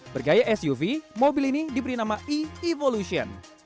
bergaya suv mobil ini diberi nama evolution